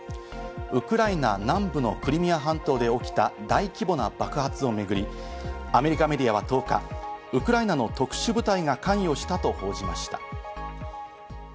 ウクライナ南部のクリミア半島で起きた大規模な爆発をめぐり、アメリカメディアは１０日、ウクライナの特殊部隊が関与したと報じました。